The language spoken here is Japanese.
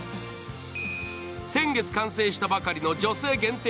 先月完成したばかりの女性限定